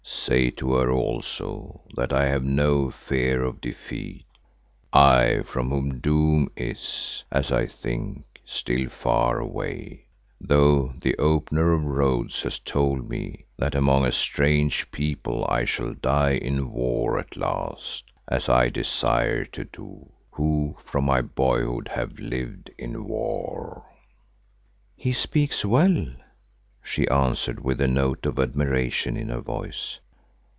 "Say to her also that I have no fear of defeat, I from whom doom is, as I think, still far away, though the Opener of Roads has told me that among a strange people I shall die in war at last, as I desire to do, who from my boyhood have lived in war." "He speaks well," she answered with a note of admiration in her voice.